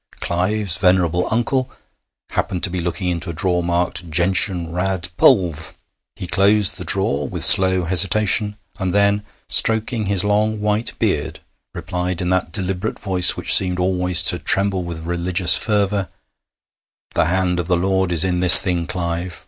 Clive's venerable uncle happened to be looking into a drawer marked 'Gentianæ Rad. Pulv.' He closed the drawer with slow hesitation, and then, stroking his long white beard, replied in that deliberate voice which seemed always to tremble with religious fervour: 'The hand of the Lord is in this thing, Clive.